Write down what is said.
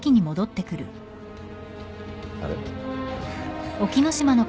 あれ？